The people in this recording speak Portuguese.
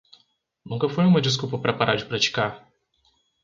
Nunca foi uma desculpa para parar de praticar